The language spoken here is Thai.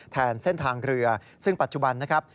แทนเส้นทางเรือซึ่งปัจจุบันนะครับ